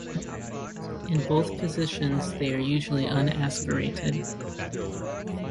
In both positions, they are usually unaspirated.